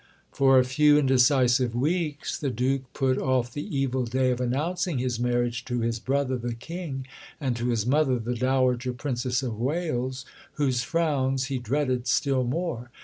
For a few indecisive weeks the Duke put off the evil day of announcing his marriage to his brother, the King, and to his mother, the Dowager Princess of Wales, whose frowns he dreaded still more.